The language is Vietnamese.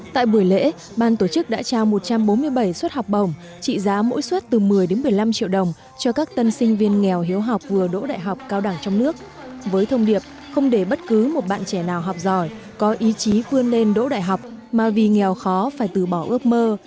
tại buổi lễ ban tổ chức đã trao một trăm bốn mươi bảy suất học bổng trị giá mỗi suất từ một mươi đến một mươi năm triệu đồng cho các tân sinh viên nghèo hiếu học vừa đỗ đại học cao đẳng trong nước với thông điệp không để bất cứ một bạn trẻ nào học giỏi có ý chí vươn lên đỗ đại học mà vì nghèo khó phải từ bỏ ước mơ